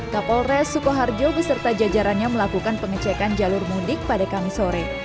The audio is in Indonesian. kapolres sukoharjo beserta jajarannya melakukan pengecekan jalur mudik pada kamis sore